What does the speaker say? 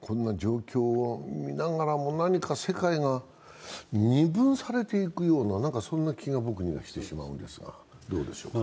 こんな状況を見ながらも何か世界が二分されていくような気が僕にはしてしまうんですが、どうでしょうか。